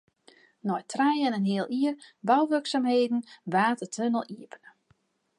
Nei trije en in heal jier bouwurksumheden waard de tunnel iepene.